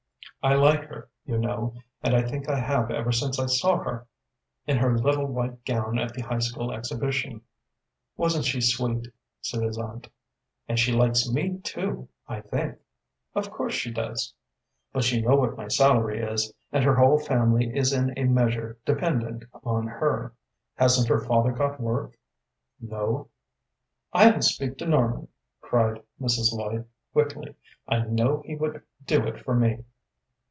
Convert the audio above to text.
"I like her, you know, and I think I have ever since I saw her in her little white gown at the high school exhibition." "Wasn't she sweet?" said his aunt. "And she likes me, too, I think." "Of course she does." "But you know what my salary is, and her whole family is in a measure dependent upon her." "Hasn't her father got work?" "No." "I'll speak to Norman," cried Mrs. Lloyd, quickly. "I know he would do it for me."